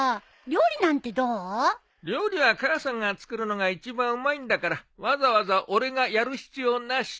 料理は母さんが作るのが一番うまいんだからわざわざ俺がやる必要なし。